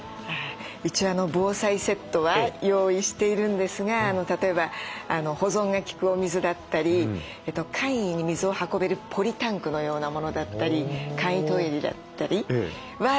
一応防災セットは用意しているんですが例えば保存が利くお水だったり簡易に水を運べるポリタンクのようなものだったり簡易トイレだったりは。